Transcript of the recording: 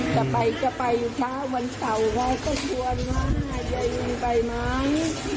ใช่ค่ะจะไปจะไปอยู่เท้าวันเศร้าค่ะก็ชวนว่าอย่ายังไงไปมั้ย